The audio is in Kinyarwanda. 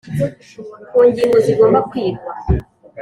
ku ngingo zigomba kwigwa,